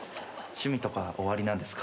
趣味とかおありなんですか？